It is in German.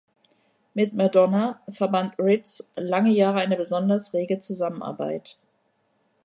Mit Madonna verband Ritts lange Jahre eine besonders rege Zusammenarbeit.